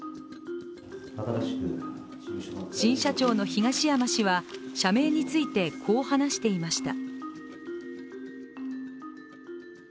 新社長の東山氏は社名についてこう話していました。